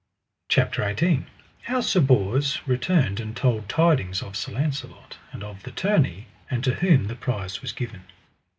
CHAPTER XVIII. How Sir Bors returned and told tidings of Sir Launcelot; and of the tourney, and to whom the prize was given.